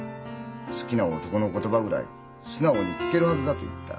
好きな男の言葉ぐらい素直に聞けるはずだ」と言った。